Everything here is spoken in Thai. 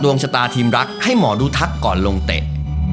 เฮ้ยจบรายการแล้ว